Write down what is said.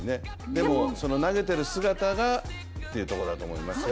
でも投げている姿がというところだと思いますよ。